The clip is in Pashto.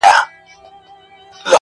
زړه وه زړه ته لاره لري~